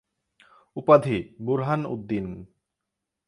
উপাধি: বুরহান উদ্দীন।